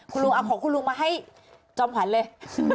ขอคุณลุงมาให้จ่อมหวัดเลย